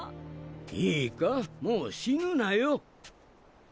いいかもう死ぬなよ。